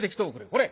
これ。